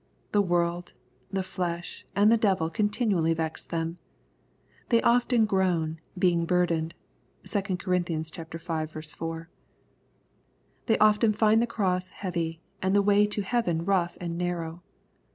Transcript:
The world, the flesh, and the devil continually vex them. They often groan, being burdened. (2 Cor. v. 4.) They often find the cross heavy, and the way to heaven rough and nar row.